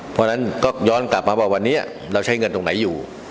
เพราะฉะนั้นก็ย้อนกลับมาว่าวันนี้เราใช้เงินตรงไหนอยู่